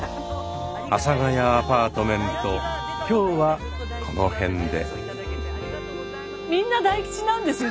「阿佐ヶ谷アパートメント」今日はこの辺で。